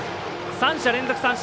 ３者連続三振。